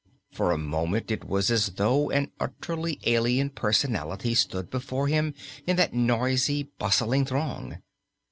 For a moment it was as though an utterly alien personality stood before him in that noisy, bustling throng.